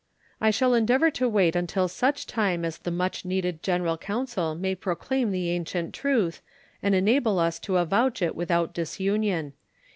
"I shall endeavour to wait until such time as the much needed General Council may proclaim the ancient truth, and enable us to avouch it without disunion.